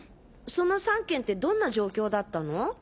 その３件ってどんな状況だったの？